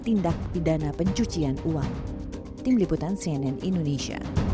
tindak pidana pencucian uang